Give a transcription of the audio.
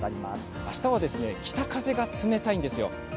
明日は北風が冷たいんですよ。